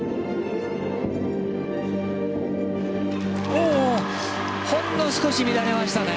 ほんの少し乱れましたね。